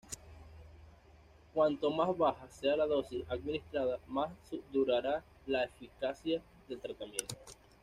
Cuanto más baja sea la dosis administrada más durará la eficacia del tratamiento.